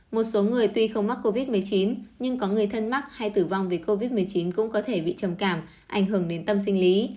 một số người tuy không mắc covid một mươi chín nhưng có người thân mắc hay tử vong vì covid một mươi chín cũng có thể bị trầm cảm ảnh hưởng đến tâm sinh lý